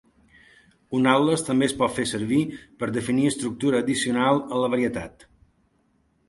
Un atles també es pot fer servir per definir estructura addicional en la varietat.